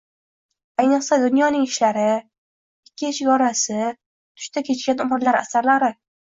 Ayniqsa, “Dunyoning ishlari”, “Ikki eshik orasi”, “Tushda kechgan umrlar” asarlari